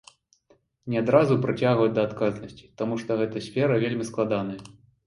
Не адразу прыцягваць да адказнасці, таму што гэта сфера вельмі складаная.